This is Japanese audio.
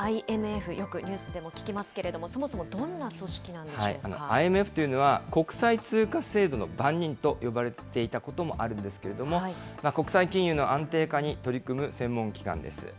ＩＭＦ、よくニュースでも聞きますけれども、そもそもどんなＩＭＦというのは、国際通貨制度の番人と呼ばれていたこともあるんですけれども、国際金融の安定化に取り組む専門機関です。